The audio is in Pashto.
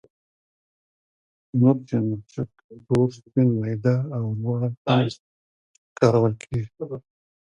مرچ یا مرچک تور، سپین، میده او لواړ هم کارول کېږي.